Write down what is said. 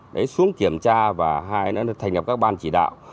để xuống kiểm tra và thành nhập các ban chỉ đạo